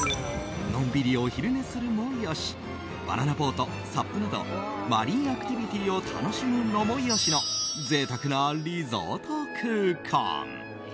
のんびり、お昼寝するもよしバナナボート、ＳＵＰなどマリンアクティビティーを楽しむのもよしの贅沢なリゾート空間。